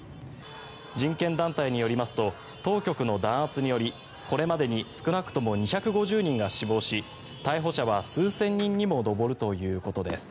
人権団体によりますと当局の弾圧によりこれまでに少なくとも２５０人が死亡し逮捕者は数千人にも上るということです。